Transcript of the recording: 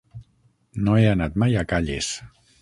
No he anat mai a Calles.